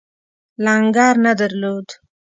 لنګر نه درلود.